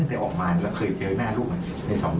ไม่เคยครับ